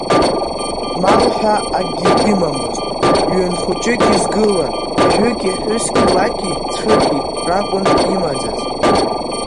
Мал ҳәа акгьы имамызт, ҩын хәыҷык изгылан, жәки, ҳәыски, лаки, цгәыки ракәын имаӡаз.